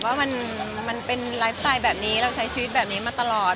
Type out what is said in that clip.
ว่ามันเป็นไลฟ์สไตล์แบบนี้เราใช้ชีวิตแบบนี้มาตลอด